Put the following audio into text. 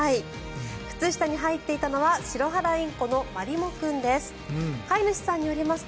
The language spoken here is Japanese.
靴下に入っていたのはシロハラインコのまりも君です。